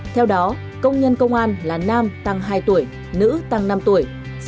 theo đó công nhân công an là nam tăng hai tuổi nữ tăng năm tuổi